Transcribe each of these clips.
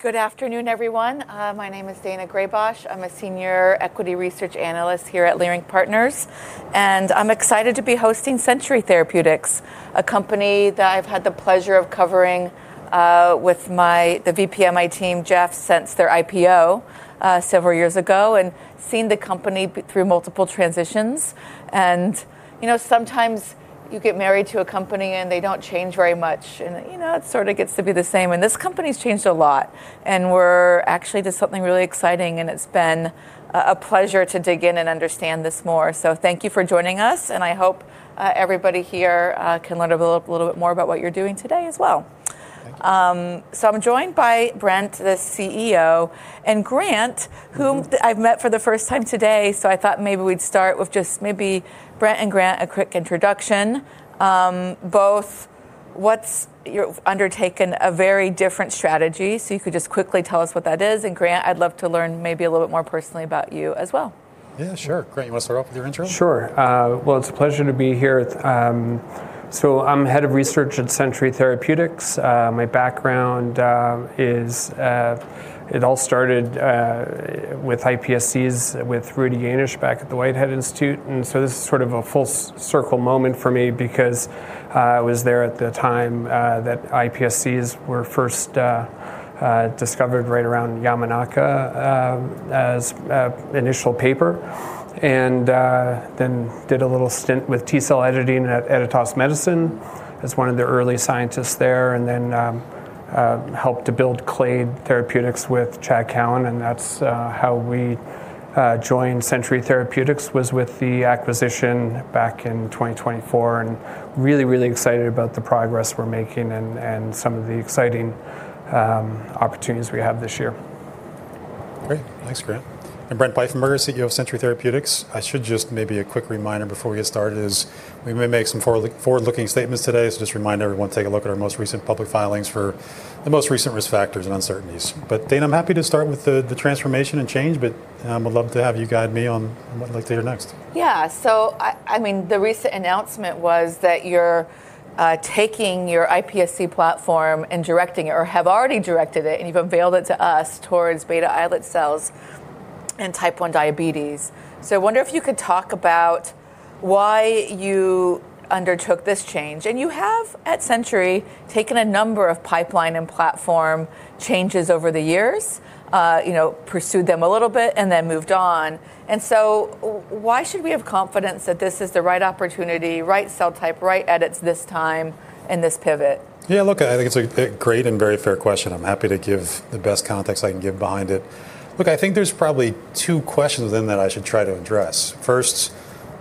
Good afternoon, everyone. My name is Daina Graybosch. I'm a senior equity research analyst here at Leerink Partners, and I'm excited to be hosting Century Therapeutics, a company that I've had the pleasure of covering with the VP of my team, Jeff, since their IPO several years ago and seen the company through multiple transitions. You know, sometimes you get married to a company, and they don't change very much, and you know, it sort of gets to be the same. This company's changed a lot, and we're actually did something really exciting, and it's been a pleasure to dig in and understand this more. Thank you for joining us, and I hope everybody here can learn a little bit more about what you're doing today as well. I'm joined by Brent, the CEO, and Grant. Whom I've met for the first time today, so I thought maybe we'd start with just maybe Brent and Grant, a quick introduction. Both, you've undertaken a very different strategy, so if you could just quickly tell us what that is. Grant, I'd love to learn maybe a little bit more personally about you as well. Yeah, sure. Grant, you want to start off with your intro? Sure. Well, it's a pleasure to be here. I'm Head of Research at Century Therapeutics. My background is it all started with iPSCs with Rudolf Jaenisch back at the Whitehead Institute. This is sort of a full circle moment for me because I was there at the time that iPSCs were first discovered right around Yamanaka as initial paper. Did a little stint with T cell editing at Editas Medicine as one of the early scientists there, and then helped to build Clade Therapeutics with Chad Cowan, and that's how we joined Century Therapeutics was with the acquisition back in 2024 and really excited about the progress we're making and some of the exciting opportunities we have this year. Great. Thanks, Grant. I'm Brent Pfeiffenberger, CEO of Century Therapeutics. I should just maybe a quick reminder before we get started is we may make some forward-looking statements today, so just remind everyone to take a look at our most recent public filings for the most recent risk factors and uncertainties. Daina, I'm happy to start with the transformation and change, but would love to have you guide me on what I'd like to hear next. Yeah. I mean, the recent announcement was that you're taking your iPSC platform and directing it, or have already directed it, and you've unveiled it to us towards beta islet cells and type 1 diabetes. I wonder if you could talk about why you undertook this change. You have, at Century, taken a number of pipeline and platform changes over the years, you know, pursued them a little bit and then moved on. Why should we have confidence that this is the right opportunity, right cell type, right edits this time in this pivot? Yeah, look, I think it's a great and very fair question. I'm happy to give the best context I can give behind it. Look, I think there's probably two questions in that I should try to address. First,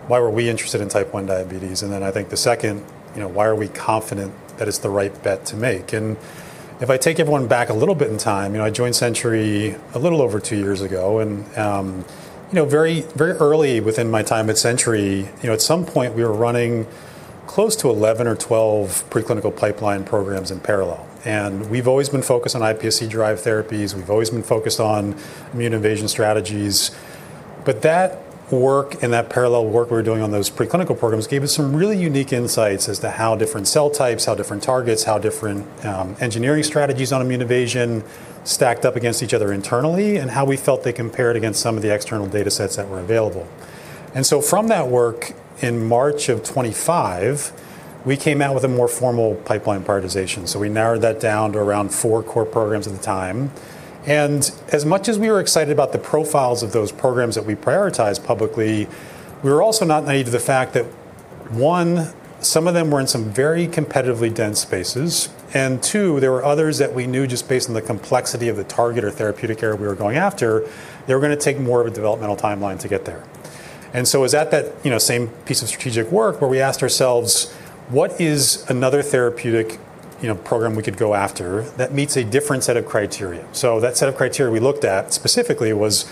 why were we interested in type 1 diabetes? Then I think the second, you know, why are we confident that it's the right bet to make? If I take everyone back a little bit in time, you know, I joined Century a little over two years ago, and, you know, very, very early within my time at Century, you know, at some point, we were running close to 11 or 12 preclinical pipeline programs in parallel. We've always been focused on iPSC-derived therapies. We've always been focused on immune evasion strategies. That work and that parallel work we were doing on those preclinical programs gave us some really unique insights as to how different cell types, how different targets, how different engineering strategies on immune evasion stacked up against each other internally and how we felt they compared against some of the external datasets that were available. From that work in March 2025, we came out with a more formal pipeline prioritization. We narrowed that down to around four core programs at the time. As much as we were excited about the profiles of those programs that we prioritized publicly, we were also not naive to the fact that, one, some of them were in some very competitively dense spaces, and two, there were others that we knew just based on the complexity of the target or therapeutic area we were going after, they were gonna take more of a developmental timeline to get there. It was at that, you know, same piece of strategic work where we asked ourselves, "What is another therapeutic, you know, program we could go after that meets a different set of criteria?" That set of criteria we looked at specifically was,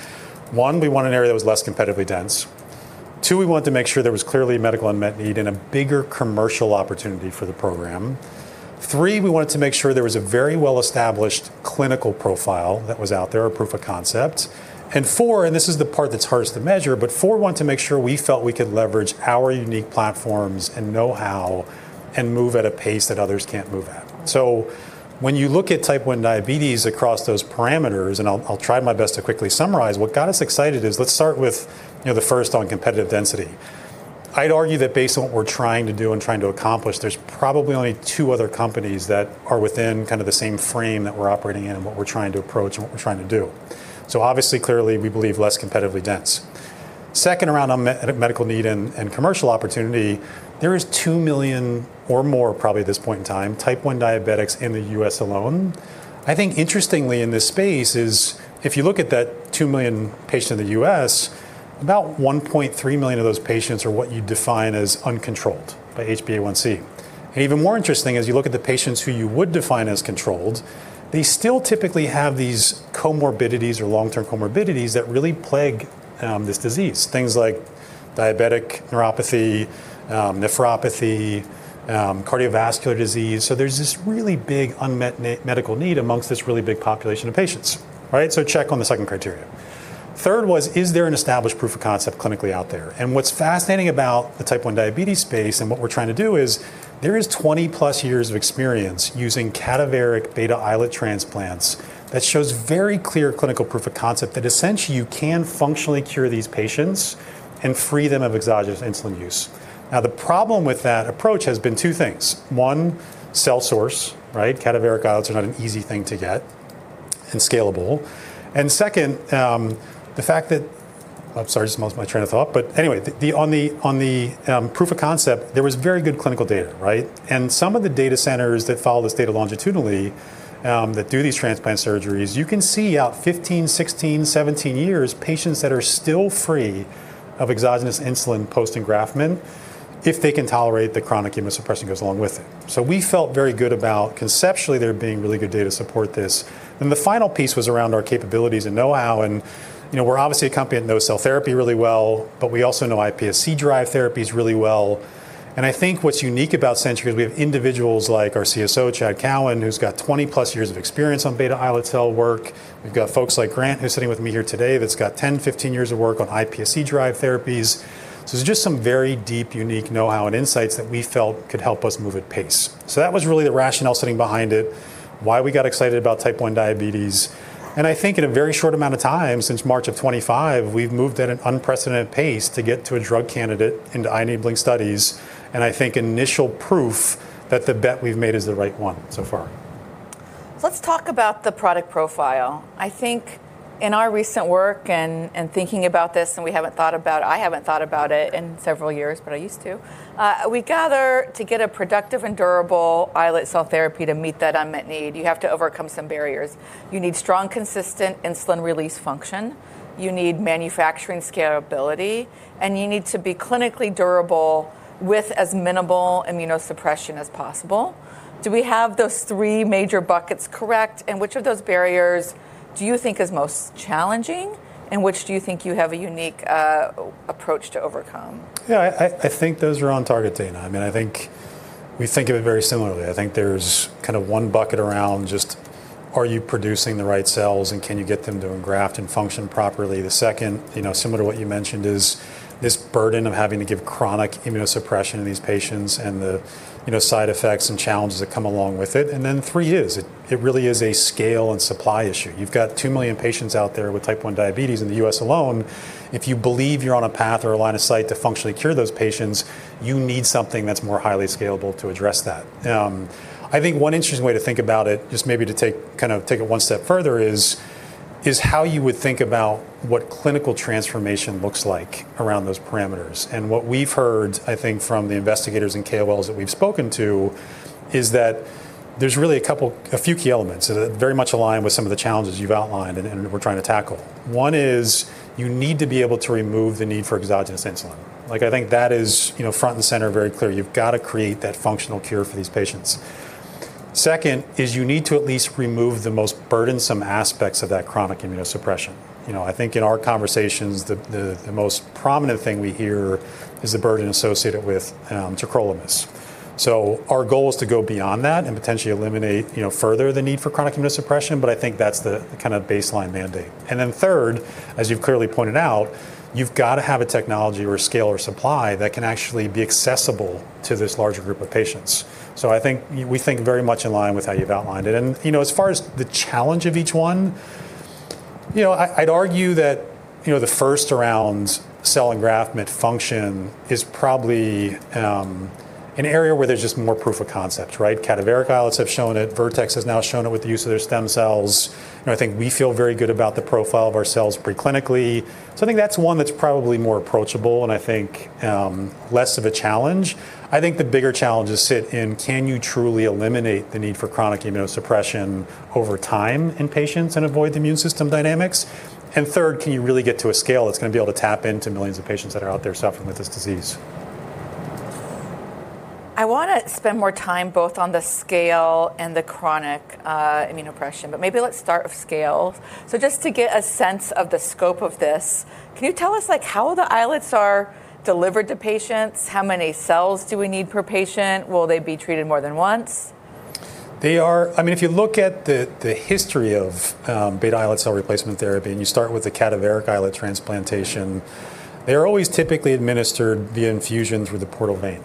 one, we want an area that was less competitively dense. Two, we wanted to make sure there was clearly medical unmet need and a bigger commercial opportunity for the program. Three, we wanted to make sure there was a very well-established clinical profile that was out there, a proof of concept. Four, and this is the part that's hardest to measure, but wanted to make sure we felt we could leverage our unique platforms and knowhow and move at a pace that others can't move at. When you look at type 1 diabetes across those parameters, and I'll try my best to quickly summarize, what got us excited is let's start with, you know, the first on competitive density. I'd argue that based on what we're trying to do and trying to accomplish, there's probably only two other companies that are within kind of the same frame that we're operating in and what we're trying to approach and what we're trying to do. Obviously, clearly, we believe less competitively dense. Second, around unmet medical need and commercial opportunity, there is two million or more probably at this point in time, type 1 diabetics in the U.S. alone. I think interestingly in this space is if you look at that two million patients in the U.S., about 1.3 million of those patients are what you define as uncontrolled by HbA1c. Even more interesting is you look at the patients who you would define as controlled, they still typically have these comorbidities or long-term comorbidities that really plague this disease, things like diabetic neuropathy, nephropathy, cardiovascular disease. There's this really big unmet medical need among this really big population of patients. All right. Check on the second criteria. Third was, is there an established proof of concept clinically out there? What's fascinating about the type 1 diabetes space, and what we're trying to do is there is 20+ years of experience using cadaveric beta islet transplants that shows very clear clinical proof of concept that essentially you can functionally cure these patients and free them of exogenous insulin use. Now, the problem with that approach has been two things. One, cell source, right? Cadaveric islets are not an easy thing to get and scalable. Second, the fact that, I'm sorry, just lost my train of thought. But anyway, the proof of concept, there was very good clinical data, right? Some of the data centers that follow this data longitudinally, that do these transplant surgeries, you can see out 15, 16, 17 years patients that are still free of exogenous insulin post-engraftment if they can tolerate the chronic immunosuppression goes along with it. We felt very good about conceptually there being really good data to support this. The final piece was around our capabilities and know-how. You know, we're obviously a company that knows cell therapy really well, but we also know iPSC-derived therapies really well. I think what's unique about Century is we have individuals like our CSO, Chad Cowan, who's got 20+ years of experience on beta islet cell work. We've got folks like Grant, who's sitting with me here today, that's got 10, 15 years of work on iPSC-derived therapies. There's just some very deep, unique know-how and insights that we felt could help us move at pace. That was really the rationale sitting behind it, why we got excited about type 1 diabetes. I think in a very short amount of time since March of 2025, we've moved at an unprecedented pace to get to a drug candidate into enabling studies and I think initial proof that the bet we've made is the right one so far. Let's talk about the product profile. I think in our recent work and thinking about this, I haven't thought about it in several years, but I used to. We gotta get a productive and durable islet cell therapy to meet that unmet need. You have to overcome some barriers. You need strong, consistent insulin release function, you need manufacturing scalability, and you need to be clinically durable with as minimal immunosuppression as possible. Do we have those three major buckets correct, and which of those barriers do you think is most challenging, and which do you think you have a unique approach to overcome? Yeah, I think those are on target, Daina. I mean, I think we think of it very similarly. I think there's kind of one bucket around just are you producing the right cells, and can you get them to engraft and function properly? The second, you know, similar to what you mentioned, is this burden of having to give chronic immunosuppression to these patients and the, you know, side effects and challenges that come along with it. Then three is it really is a scale and supply issue. You've got two million patients out there with type 1 diabetes in the U.S. alone. If you believe you're on a path or a line of sight to functionally cure those patients, you need something that's more highly scalable to address that. I think one interesting way to think about it, kind of take it one step further is how you would think about what clinical transformation looks like around those parameters. What we've heard, I think, from the investigators and KOLs that we've spoken to is that there's really a few key elements that very much align with some of the challenges you've outlined and we're trying to tackle. One is you need to be able to remove the need for exogenous insulin. Like I think that is, you know, front and center, very clear. You've got to create that functional cure for these patients. Second is you need to at least remove the most burdensome aspects of that chronic immunosuppression. You know, I think in our conversations, the most prominent thing we hear is the burden associated with tacrolimus. Our goal is to go beyond that and potentially eliminate, you know, further the need for chronic immunosuppression, but I think that's the kind of baseline mandate. Third, as you've clearly pointed out, you've got to have a technology or scale or supply that can actually be accessible to this larger group of patients. I think we think very much in line with how you've outlined it. You know, as far as the challenge of each one, you know, I'd argue that, you know, the first around cell engraftment function is probably an area where there's just more proof of concept, right? Cadaveric islets have shown it. Vertex has now shown it with the use of their stem cells. You know, I think we feel very good about the profile of our cells pre-clinically. I think that's one that's probably more approachable and I think, less of a challenge. I think the bigger challenges sit in can you truly eliminate the need for chronic immunosuppression over time in patients and avoid the immune system dynamics? Third, can you really get to a scale that's going to be able to tap into millions of patients that are out there suffering with this disease? I wanna spend more time both on the scale and the chronic, immunosuppression, but maybe let's start with scale. Just to get a sense of the scope of this, can you tell us like how the islets are delivered to patients? How many cells do we need per patient? Will they be treated more than once? I mean, if you look at the history of beta islet cell replacement therapy, and you start with the cadaveric islet transplantation, they are always typically administered via infusion through the portal vein.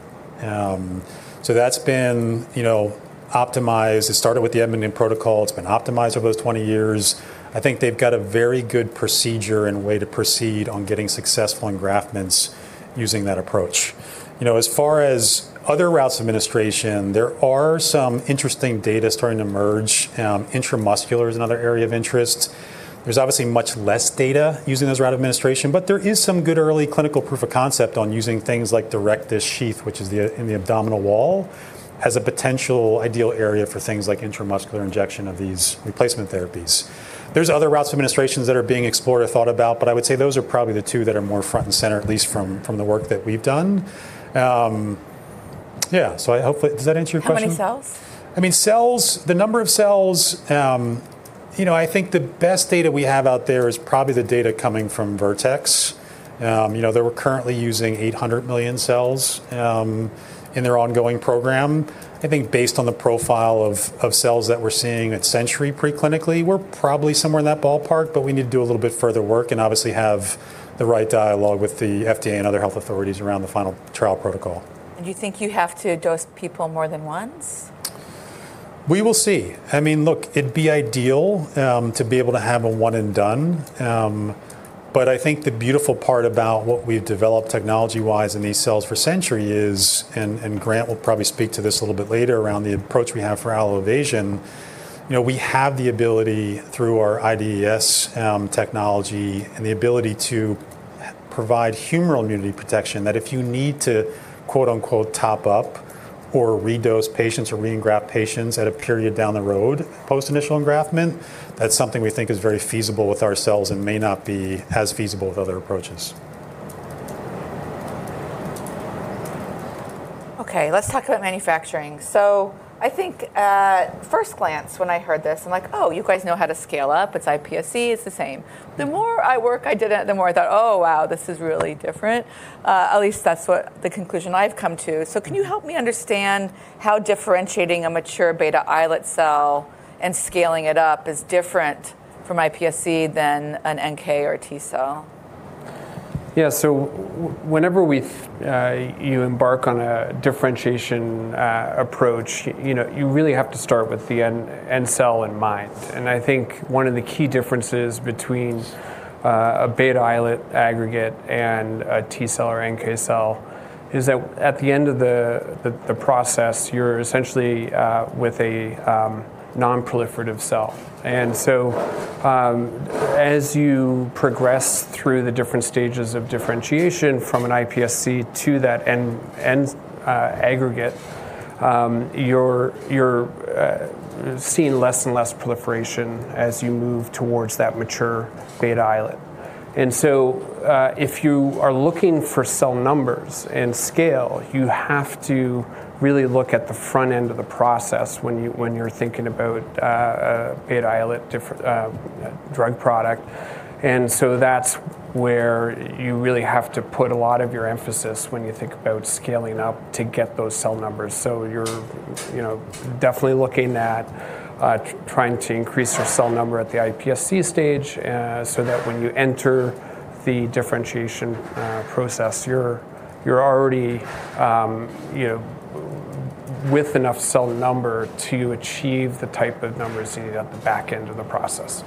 So that's been, you know, optimized. It started with the Edmonton protocol. It's been optimized over those 20 years. I think they've got a very good procedure and way to proceed on getting successful engraftments using that approach. You know, as far as other routes of administration, there are some interesting data starting to emerge. Intramuscular is another area of interest. There's obviously much less data using this route of administration, but there is some good early clinical proof of concept on using things like direct rectus sheath, which is in the abdominal wall, as a potential ideal area for things like intramuscular injection of these replacement therapies. There's other routes of administrations that are being explored or thought about, but I would say those are probably the two that are more front and center, at least from the work that we've done. Yeah. Does that answer your question? How many cells? I mean, the number of cells, you know, I think the best data we have out there is probably the data coming from Vertex. You know, they were currently using 800 million cells in their ongoing program. I think based on the profile of cells that we're seeing at Century preclinically, we're probably somewhere in that ballpark, but we need to do a little bit further work and obviously have the right dialogue with the FDA and other health authorities around the final trial protocol. Do you think you have to dose people more than once? We will see. I mean, look, it'd be ideal to be able to have a one and done. I think the beautiful part about what we've developed technology-wise in these cells for Century is, and Grant will probably speak to this a little bit later around the approach we have for Allo-Evasion, you know, we have the ability through our IdeS technology and the ability to provide humoral immunity protection that if you need to, quote-unquote, top up or redose patients or re-engraft patients at a period down the road post initial engraftment, that's something we think is very feasible with our cells and may not be as feasible with other approaches. Okay, let's talk about manufacturing. I think at first glance when I heard this, I'm like, "Oh, you guys know how to scale up. It's iPSC, it's the same." The more I thought, "Oh, wow, this is really different." At least that's what the conclusion I've come to. Can you help me understand how differentiating a mature beta islet cell and scaling it up is different from iPSC than an NK or a T cell? Yeah. Whenever we embark on a differentiation approach, you know, you really have to start with the end cell in mind. I think one of the key differences between a beta islet aggregate and a T cell or NK cell is that at the end of the process, you're essentially with a non-proliferative cell. As you progress through the different stages of differentiation from an iPSC to that end aggregate, you're seeing less and less proliferation as you move towards that mature beta islet. If you are looking for cell numbers and scale, you have to really look at the front end of the process when you're thinking about a beta islet drug product. That's where you really have to put a lot of your emphasis when you think about scaling up to get those cell numbers. You're, you know, definitely looking at trying to increase your cell number at the iPSC stage, so that when you enter the differentiation process, you're already, you know, with enough cell number to achieve the type of numbers you need at the back end of the process.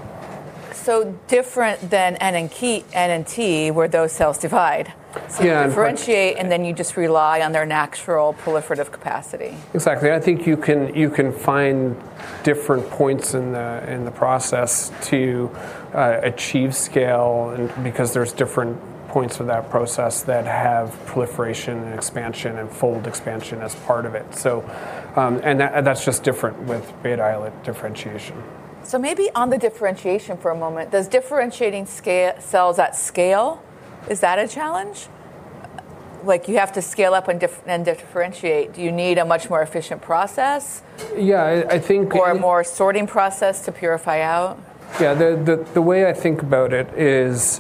Different than NK and T, where those cells divide. Yeah. You differentiate, and then you just rely on their natural proliferative capacity. Exactly. I think you can find different points in the process to achieve scale and because there's different points of that process that have proliferation and expansion and fold expansion as part of it. That's just different with beta islet differentiation. Maybe on the differentiation for a moment, does differentiating cells at scale, is that a challenge? Like, you have to scale up and differentiate. Do you need a much more efficient process? Yeah, I think. A more sorting process to purify out? Yeah. The way I think about it is,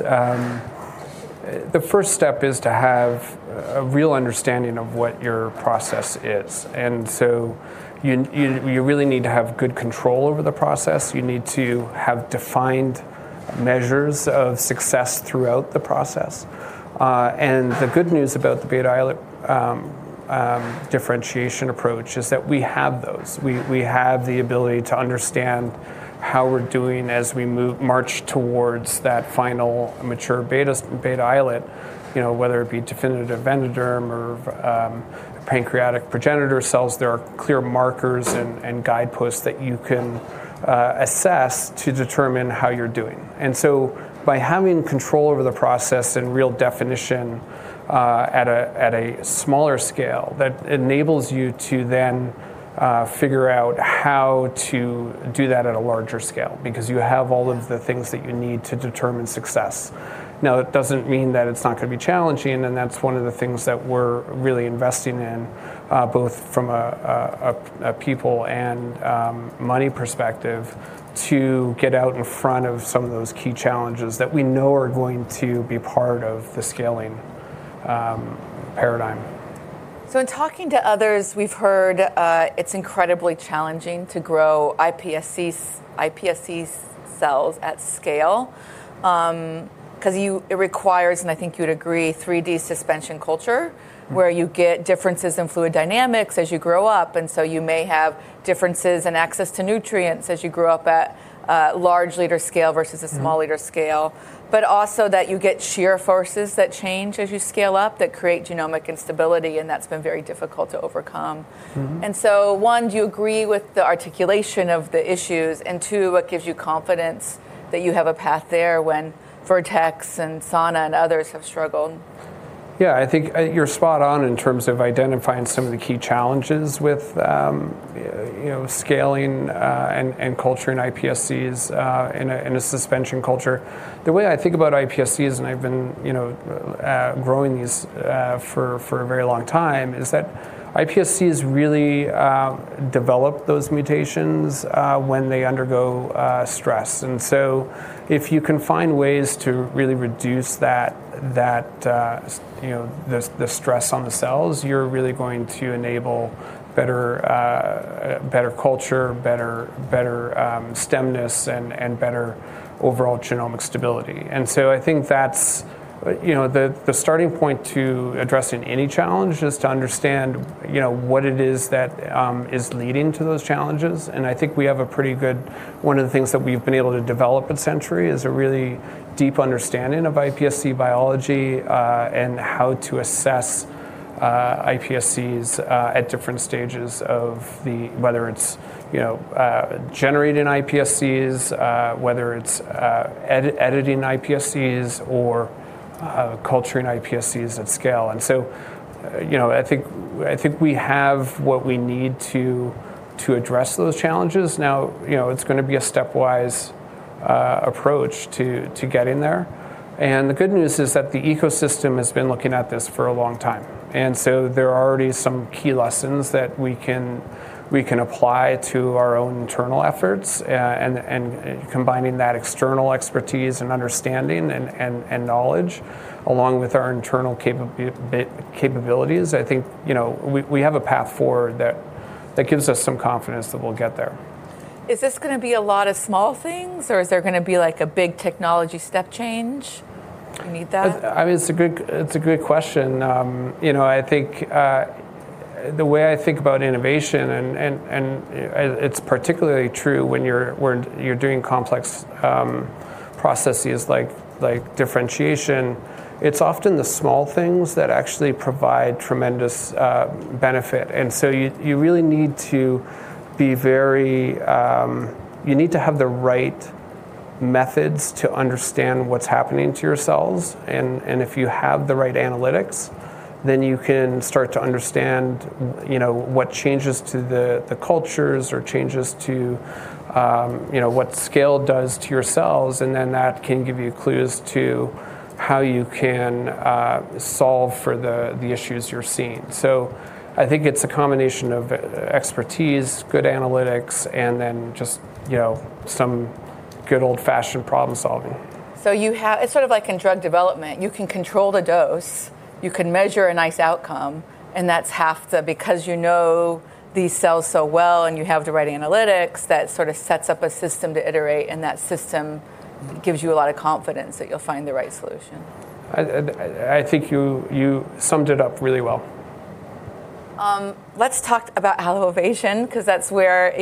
the first step is to have a real understanding of what your process is. You really need to have good control over the process. You need to have defined measures of success throughout the process. The good news about the beta islet differentiation approach is that we have those. We have the ability to understand how we're doing as we march towards that final mature beta islet, you know, whether it be definitive endoderm or pancreatic progenitor cells. There are clear markers and guideposts that you can assess to determine how you're doing. By having control over the process and real definition at a smaller scale, that enables you to then figure out how to do that at a larger scale because you have all of the things that you need to determine success. Now, it doesn't mean that it's not gonna be challenging, and that's one of the things that we're really investing in, both from a people and money perspective, to get out in front of some of those key challenges that we know are going to be part of the scaling paradigm. In talking to others, we've heard, it's incredibly challenging to grow iPSCs, iPSC cells at scale, because it requires, and I think you'd agree, 3D suspension culture. Mm-hmm. Where you get differences in fluid dynamics as you grow up. You may have differences in access to nutrients as you grow up at a large liter scale versus- Mm-hmm. A small liter scale. Also that you get shear forces that change as you scale up that create genomic instability, and that's been very difficult to overcome. Mm-hmm. One, do you agree with the articulation of the issues? Two, what gives you confidence that you have a path there when Vertex and Sana and others have struggled? Yeah, I think you're spot on in terms of identifying some of the key challenges with, you know, scaling and culturing iPSCs in a suspension culture. The way I think about iPSCs, and I've been, you know, growing these for a very long time, is that iPSCs really develop those mutations when they undergo stress. If you can find ways to really reduce that, you know, the stress on the cells, you're really going to enable better culture, better stemness, and better overall genomic stability. I think that's the starting point to addressing any challenge is to understand what it is that is leading to those challenges. One of the things that we've been able to develop at Century is a really deep understanding of iPSC biology and how to assess iPSCs at different stages whether it's generating iPSCs, whether it's editing iPSCs or culturing iPSCs at scale. I think we have what we need to address those challenges. Now, it's going to be a stepwise approach to getting there. The good news is that the ecosystem has been looking at this for a long time. There are already some key lessons that we can apply to our own internal efforts and combining that external expertise and understanding and knowledge along with our internal capabilities. I think we have a path forward that gives us some confidence that we'll get there. Is this going to be a lot of small things or is there going to be like a big technology step change? Do you need that? It's a good question. The way I think about innovation, and it's particularly true when you're doing complex processes like differentiation, it's often the small things that actually provide tremendous benefit. You really need to have the right methods to understand what's happening to your cells. If you have the right analytics, then you can start to understand what changes to the cultures or changes to what scale does to your cells, and then that can give you clues to how you can solve for the issues you're seeing. I think it's a combination of expertise, good analytics, and then just some good old-fashioned problem-solving. It's sort of like in drug development. You can control the dose, you can measure a nice outcome, and that's because you know these cells so well and you have the right analytics, that sort of sets up a system to iterate, and that system gives you a lot of confidence that you'll find the right solution. I think you summed it up really well. Let's talk about Allo-Evasion because that's where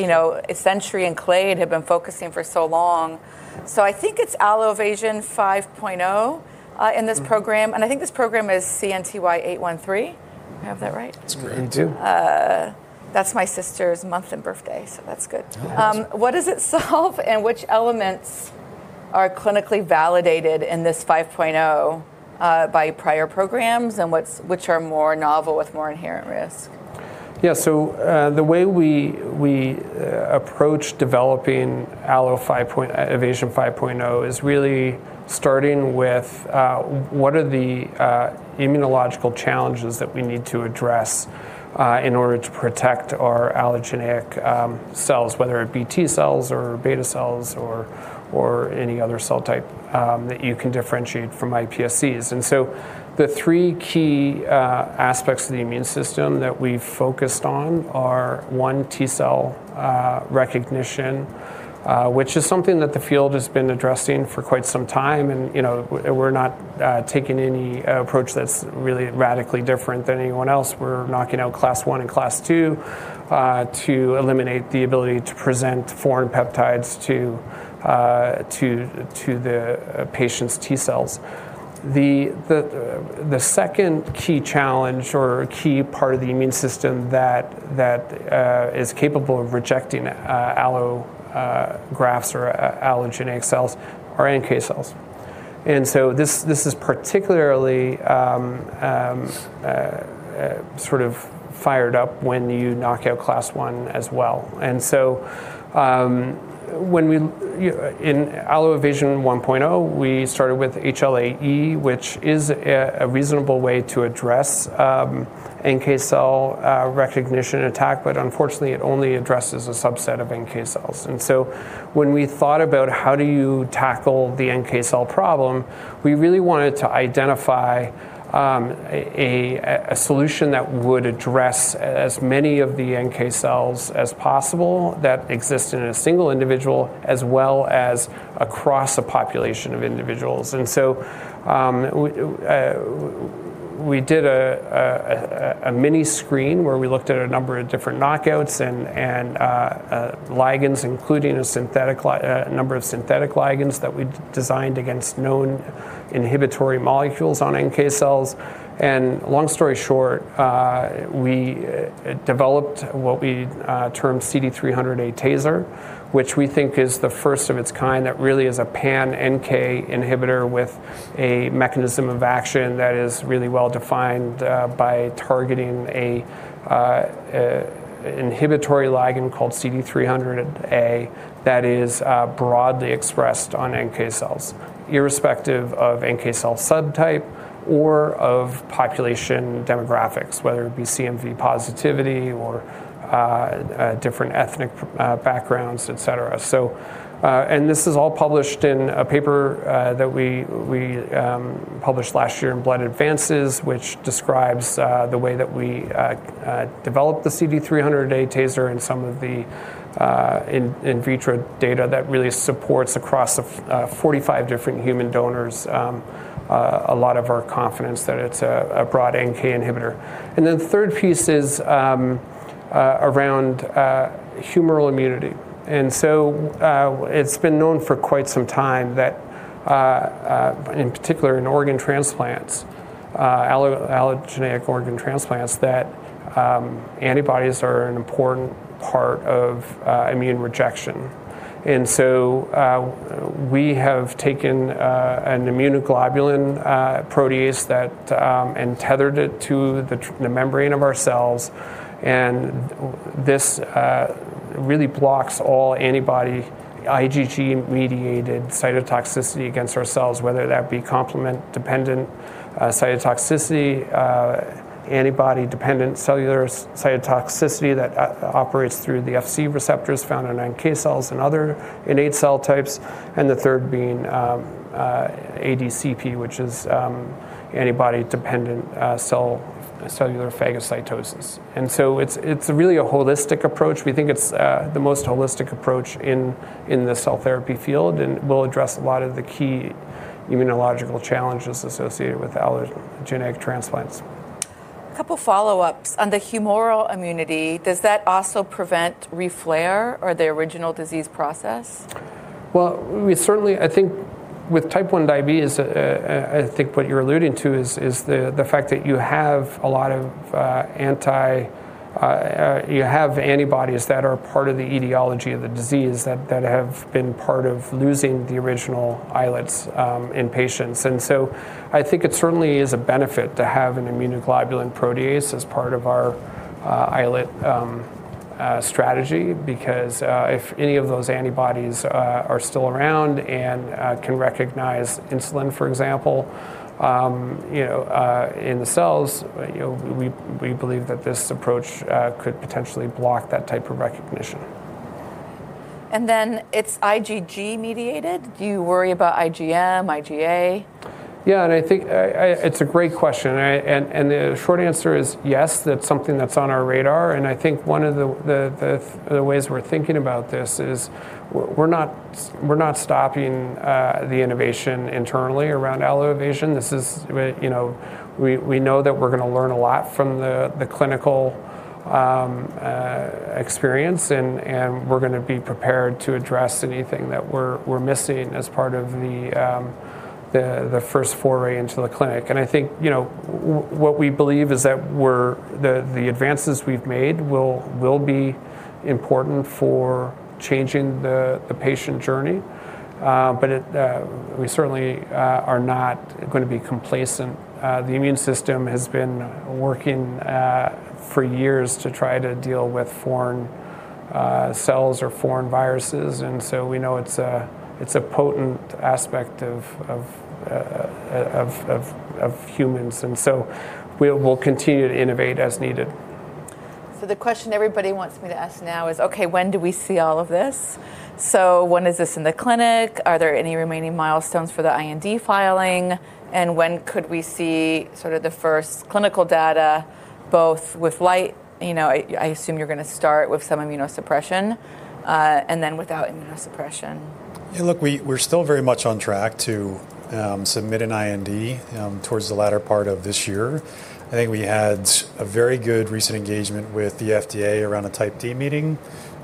Century and Clade have been focusing for so long. I think it's Allo-Evasion 5.0 in this program, and I think this program is CNTY-813. Do I have that right? You do. That's my sister's month and birthday, so that's good. What does it solve, and which elements are clinically validated in this 5.0 by prior programs, and which are more novel with more inherent risk? Yeah. The way we approach developing Allo-Evasion 5.0 is really starting with what are the immunological challenges that we need to address in order to protect our allogeneic cells, whether it be T cells or beta cells or any other cell type that you can differentiate from iPSCs. The three key aspects of the immune system that we've focused on are, one, T cell recognition, which is something that the field has been addressing for quite some time, and we're not taking any approach that's really radically different than anyone else. We're knocking out class I and class II to eliminate the ability to present foreign peptides to the patient's T cells. The second key challenge or key part of the immune system that is capable of rejecting allografts or allogeneic cells are NK cells. This is particularly sort of fired up when you knock out MHC class I as well. In Allo-Evasion 1.0, we started with HLA-E, which is a reasonable way to address NK cell recognition attack, but unfortunately, it only addresses a subset of NK cells. When we thought about how do you tackle the NK cell problem, we really wanted to identify a solution that would address as many of the NK cells as possible that exist in a single individual as well as across a population of individuals. We did a mini screen where we looked at a number of different knockouts and ligands, including a number of synthetic ligands that we designed against known inhibitory molecules on NK cells. Long story short, we developed what we termed CD300a TASR, which we think is the first of its kind that really is a pan-NK inhibitor with a mechanism of action that is really well defined by targeting an inhibitory ligand called CD300a that is broadly expressed on NK cells, irrespective of NK cell subtype or of population demographics, whether it be CMV positivity or different ethnic backgrounds, etc. This is all published in a paper that we published last year in Blood Advances, which describes the way that we developed the CD300a TASR and some of the in vitro data that really supports across 45 different human donors a lot of our confidence that it's a broad NK inhibitor. Then the third piece is around humoral immunity. It's been known for quite some time that in particular in organ transplants, allogeneic organ transplants, that antibodies are an important part of immune rejection. We have taken an immunoglobulin protease and tethered it to the membrane of our cells. This really blocks all antibody IgG-mediated cytotoxicity against our cells, whether that be complement-dependent cytotoxicity, antibody-dependent cellular cytotoxicity that operates through the Fc receptors found in NK cells and other innate cell types, and the third being ADCP, which is antibody-dependent cellular phagocytosis. It's really a holistic approach. We think it's the most holistic approach in the cell therapy field, and will address a lot of the key immunological challenges associated with allogeneic transplants. A couple follow-ups. On the humoral immunity, does that also prevent re-flare or the original disease process? Well, we certainly I think with type 1 diabetes, I think what you're alluding to is the fact that you have a lot of antibodies that are part of the etiology of the disease that have been part of losing the original islets in patients. I think it certainly is a benefit to have an immunoglobulin protease as part of our islet strategy because if any of those antibodies are still around and can recognize insulin, for example, you know, in the cells, you know, we believe that this approach could potentially block that type of recognition. It's IgG mediated? Do you worry about IgM, IgA? Yeah, I think it's a great question. The short answer is yes, that's something that's on our radar. I think one of the ways we're thinking about this is we're not stopping the innovation internally around Allo-Evasion. This is, you know, we know that we're gonna learn a lot from the clinical experience and we're gonna be prepared to address anything that we're missing as part of the first foray into the clinic. I think, you know, what we believe is that the advances we've made will be important for changing the patient journey. But we certainly are not gonna be complacent. The immune system has been working for years to try to deal with foreign cells or foreign viruses, and so we know it's a potent aspect of humans. We will continue to innovate as needed. The question everybody wants me to ask now is, okay, when do we see all of this? When is this in the clinic? Are there any remaining milestones for the IND filing? And when could we see sort of the first clinical data, both with light, you know, I assume you're gonna start with some immunosuppression, and then without immunosuppression? Yeah, look, we're still very much on track to submit an IND towards the latter part of this year. I think we had a very good recent engagement with the FDA around a Type D meeting.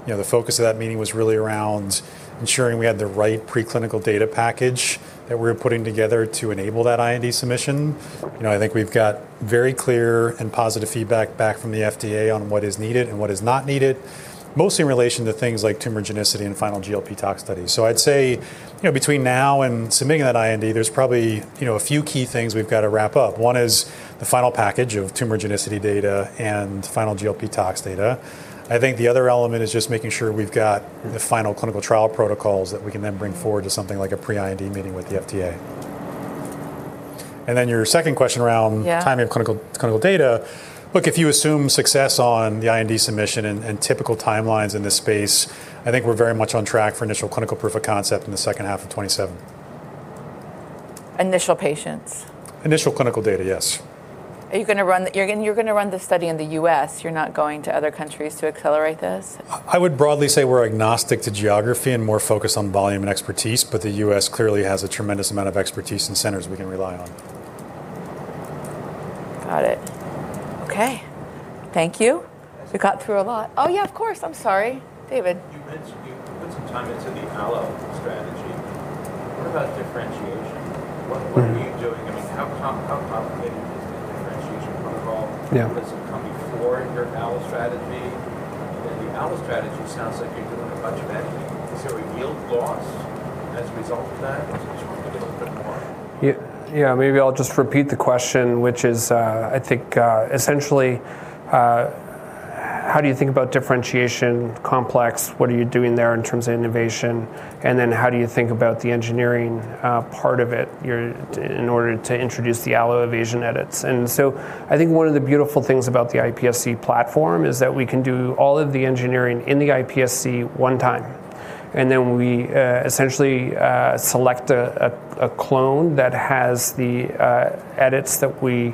You know, the focus of that meeting was really around ensuring we had the right preclinical data package that we're putting together to enable that IND submission. You know, I think we've got very clear and positive feedback back from the FDA on what is needed and what is not needed, mostly in relation to things like tumorigenicity and final GLP toxicology studies. I'd say, you know, between now and submitting that IND, there's probably, you know, a few key things we've got to wrap up. One is the final package of tumorigenicity data and final GLP toxicology data. I think the other element is just making sure we've got the final clinical trial protocols that we can then bring forward to something like a pre-IND meeting with the FDA. Your second question around- Yeah. Timing of clinical data. Look, if you assume success on the IND submission and typical timelines in this space, I think we're very much on track for initial clinical proof of concept in the second half of 2027. Initial patients? Initial clinical data, yes. You're gonna run the study in the U.S.. You're not going to other countries to accelerate this? I would broadly say we're agnostic to geography and more focused on volume and expertise, but the U.S. clearly has a tremendous amount of expertise and centers we can rely on. Got it. Okay. Thank you. We got through a lot. Oh, yeah, of course. I'm sorry. David. You put some time into the Allo strategy. What about differentiation? What are you doing? I mean, how complicated is the differentiation protocol? Yeah. Does it come before your Allo strategy? The Allo strategy sounds like you're doing a bunch of editing. Is there a yield loss as a result of that? Can you talk a little bit more? Maybe I'll just repeat the question, which is, I think, essentially, how do you think about differentiation complex? What are you doing there in terms of innovation? Then how do you think about the engineering part of it in order to introduce the Allo-Evasion edits? I think one of the beautiful things about the iPSC platform is that we can do all of the engineering in the iPSC one time. We essentially select a clone that has the edits that we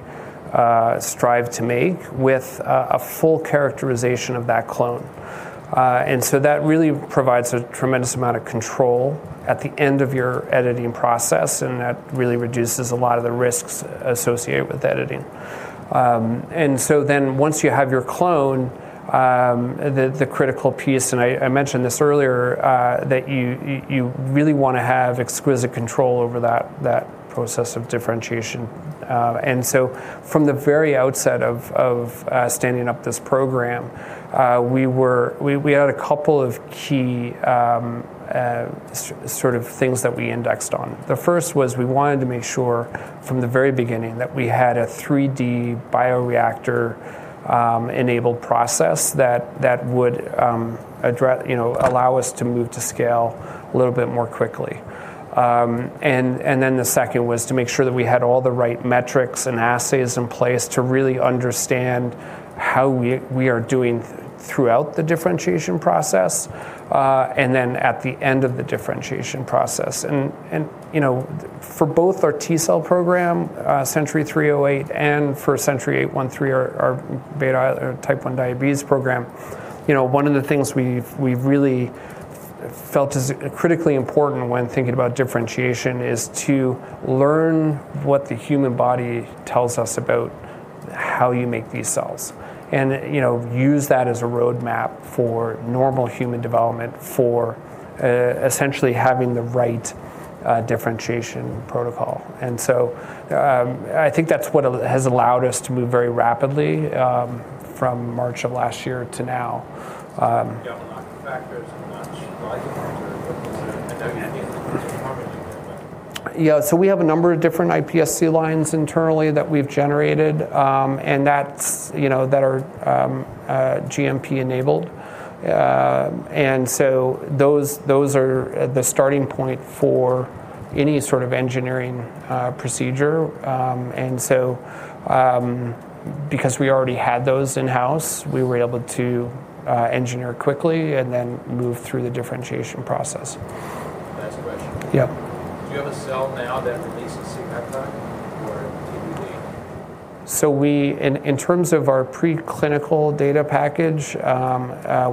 strive to make with a full characterization of that clone. That really provides a tremendous amount of control at the end of your editing process, and that really reduces a lot of the risks associated with editing. Once you have your clone, the critical piece, and I mentioned this earlier, that you really wanna have exquisite control over that process of differentiation. From the very outset of standing up this program, we had a couple of key sort of things that we indexed on. The first was we wanted to make sure from the very beginning that we had a 3D bioreactor enabled process that would you know, allow us to move to scale a little bit more quickly. The second was to make sure that we had all the right metrics and assays in place to really understand how we are doing throughout the differentiation process, and then at the end of the differentiation process. You know, for both our T cell program, CNTY-308 and for CNTY-813, our beta type 1 diabetes program, you know, one of the things we've really felt is critically important when thinking about differentiation is to learn what the human body tells us about how you make these cells, and you know, use that as a roadmap for normal human development, for essentially having the right differentiation protocol. I think that's what has allowed us to move very rapidly from March of last year to now. You have a lot of factors, not just line factors. I know you can't get into too much more detail, but. Yeah. We have a number of different iPSC lines internally that we've generated, and that's, you know, that are GMP enabled. Those are the starting point for any sort of engineering procedure. Because we already had those in-house, we were able to engineer quickly and then move through the differentiation process. Last question. Yeah. Do you have a cell now that releases C-peptide or TBD? In terms of our preclinical data package,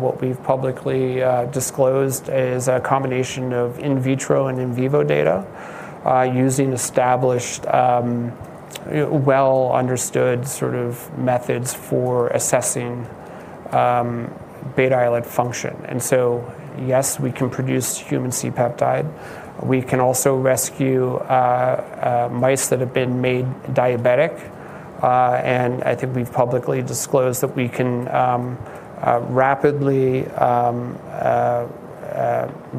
what we've publicly disclosed is a combination of in vitro and in vivo data, using established, you know, well understood sort of methods for assessing beta islet function. Yes, we can produce human C-peptide. We can also rescue mice that have been made diabetic. I think we've publicly disclosed that we can rapidly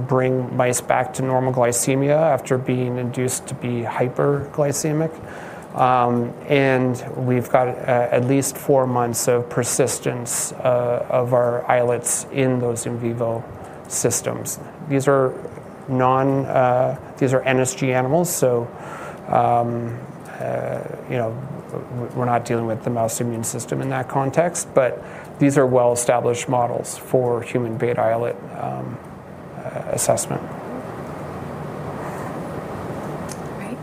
bring mice back to normal glycemia after being induced to be hyperglycemic. We've got at least four months of persistence of our islets in those in vivo systems. These are NSG animals, so you know, we're not dealing with the mouse immune system in that context. These are well-established models for human beta islet assessment. All right.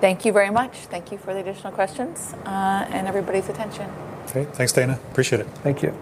Thank you very much. Thank you for the additional questions, and everybody's attention. Okay. Thanks, Daina. Appreciate it. Thank you.